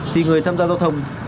thì người tham gia giao thông